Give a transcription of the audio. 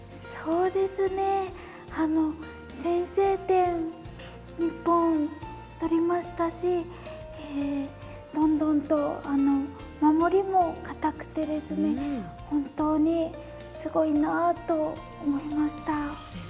先制点、日本取りましたしどんどんと守りも堅くて、本当にすごいなと思いました。